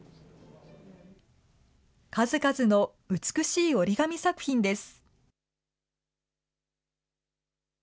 数々の美しい折り紙作品です。